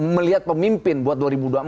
melihat pemimpin buat dua ribu dua puluh empat